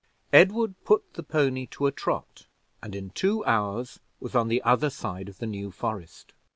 Edward put the pony to a trot, and in two hours was on the other side of the New Forest.